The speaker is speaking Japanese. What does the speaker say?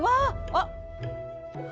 あっ！